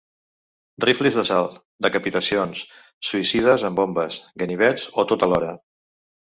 Rifles d’assalt, decapitacions, suïcides amb bombes, ganivets o tot alhora.